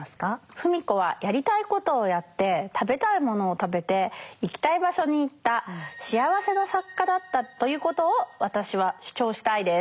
芙美子はやりたいことをやって食べたいものを食べて行きたい場所に行った「幸せな作家」だったということを私は主張したいです。